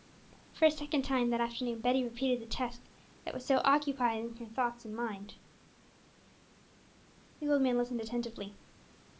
For a second time that afternoon Betty repeated the text that was so occupying her mind and thoughts. The old man listened attentively.